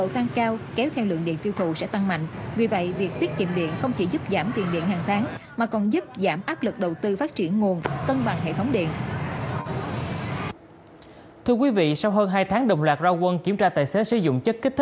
tương đương với tám mươi ca tử vong một ngày